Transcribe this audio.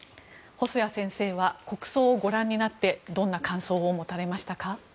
細谷先生は国葬をご覧になってどんな感想を持たれましたか。